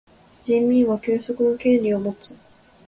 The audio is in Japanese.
人民は休息の権利をもつ。